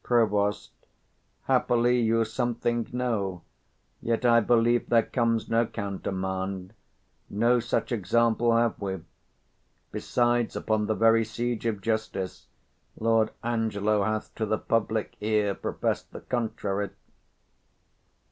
Prov. Happily You something know; yet I believe there comes No countermand; no such example have we: Besides, upon the very siege of justice Lord Angelo hath to the public ear 95 Profess'd the contrary.